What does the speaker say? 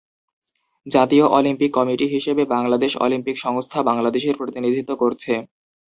জাতীয় Olympic committee হিসেবে Bangladesh Olympic সংস্থা বাংলাদেশের প্রতিনিধিত্ব করছে।